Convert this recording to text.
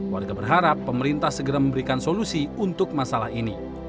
warga berharap pemerintah segera memberikan solusi untuk masalah ini